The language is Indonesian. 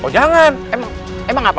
oh jangan emang apa